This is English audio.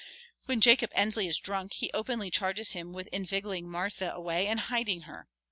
When Jacob Ensley is drunk he openly charges him with inveigling Martha away and hiding her.